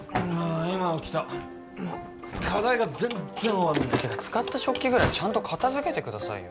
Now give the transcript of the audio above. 今起きたもう課題が全然終わんねえ使った食器ぐらいちゃんと片づけてくださいよ